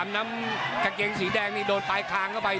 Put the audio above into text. น้ำเกงสีแดงนะครับโดนปลายคลังเข้าไป